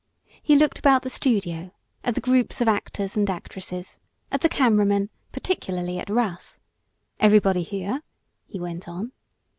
He looked about the studio, at the groups of actors and actresses, at the camera men particularly at Russ. "Everybody here?" he went on.